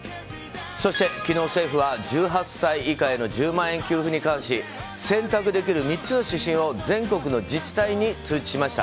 そして、昨日政府は１８歳以下への１０万円給付について選択できる３つの指針を全国の自治体に通達しました。